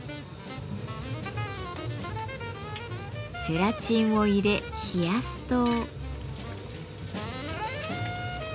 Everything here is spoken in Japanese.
ゼラチンを入れ冷やすと。